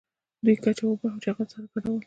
دوی ګچ او اوبه او چغل سره ګډول.